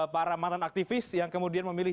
para mantan aktivis yang kemudian memilih